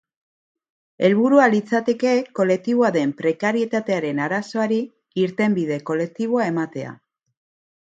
Helburua litzateke kolektiboa den prekarietatearen arazoari irtenbide kolektiboa ematea.